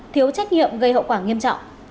thiếu trách nhiệm gây hậu quả nghiêm trọng